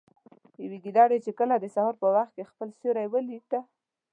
يوې ګيدړې چې کله د سهار په وخت كې خپل سيورى وليده